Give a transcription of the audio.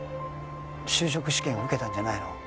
就職試験受けたんじゃないの？